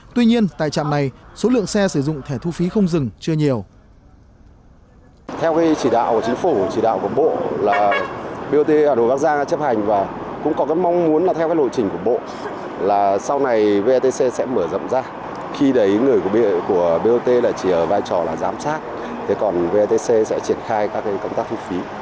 tuy nhiên tại trạm này số lượng xe sử dụng thẻ thu phí không dừng chưa nhiều